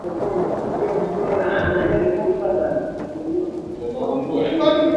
sheria ya benki kuu ilitungwa kabla ya kuanzishwa kwa benki kuu ya tanzania